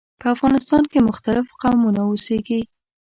په افغانستان کې مختلف قومونه اوسیږي.